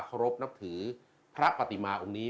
เคารพนับถือพระปฏิมาองค์นี้